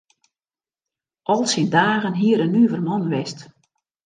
Al syn dagen hie er in nuver man west.